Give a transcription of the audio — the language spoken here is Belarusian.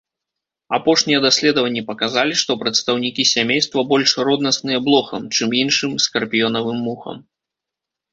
Апошнія даследаванні паказалі, што прадстаўнікі сямейства больш роднасныя блохам, чым іншым скарпіёнавым мухам.